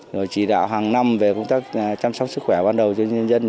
rồi chỉ đạo hàng năm về công tác chăm sóc sức khỏe ban đầu cho nhân dân